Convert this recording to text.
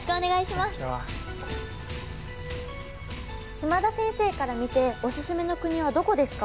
島田先生から見ておすすめの国はどこですか？